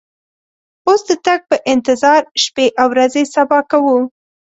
اوس د تګ په انتظار شپې او ورځې صبا کوو.